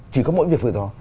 chỉ có mỗi việc vừa đó